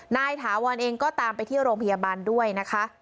ถาวรเองก็ตามไปที่โรงพยาบาลด้วยนะคะ